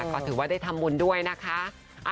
ก็ถือว่าได้ทำบุญด้วยนะคะ